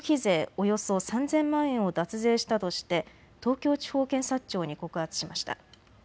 およそ３０００万円を脱税したとして東京地方検察庁に告発しました。